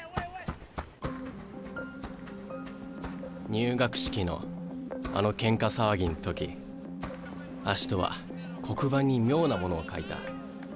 入学式のあのケンカ騒ぎん時アシトは黒板に妙なものを書いた。